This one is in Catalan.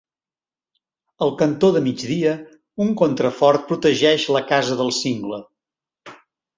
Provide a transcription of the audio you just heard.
Al cantó de migdia un contrafort protegeix la casa del cingle.